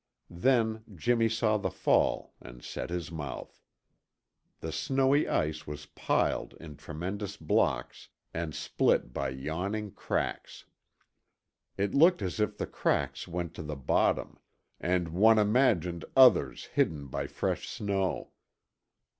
Then Jimmy saw the fall and set his mouth. The snowy ice was piled in tremendous blocks and split by yawning cracks. It looked as if the cracks went to the bottom, and one imagined others, hidden by fresh snow.